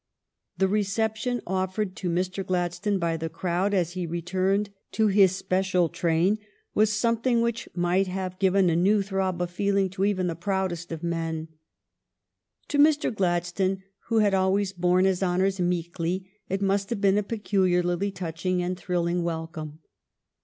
The reception offered to Mr. Gladstone by the crowd as he returned to his special train was something which might have 426 THE STORY OF GLADSTONE'S LIFE given a new throb of feeling to even the proudest of men. To Mr. Gladstone vi^ho had always borne his honors meekly, it must have been a peculiarly touching and thrilling welcome.